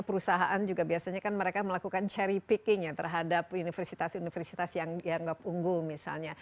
perusahaan juga biasanya kan mereka melakukan cherry picking ya terhadap universitas universitas yang dianggap unggul misalnya